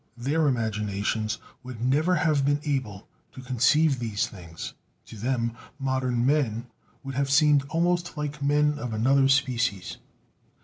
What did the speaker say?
Their imaginations would never have been able to conceive these things. To them, modern men would have seemed almost like men of another species.